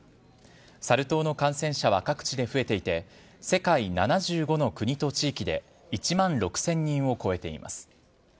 サル痘の感染者は各地で増えていて、世界７５の国と地域で１万６０００人を超えています。